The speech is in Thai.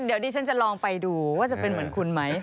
เดี๋ยวดิฉันจะลองไปดูว่าจะเป็นเหมือนคุณไหม